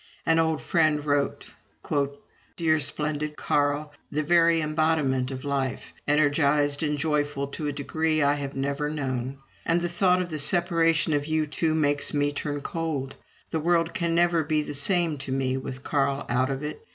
An old friend wrote: "Dear, splendid Carl, the very embodiment of life, energized and joyful to a degree I have never known. And the thought of the separation of you two makes me turn cold. ... The world can never be the same to me with Carl out of it.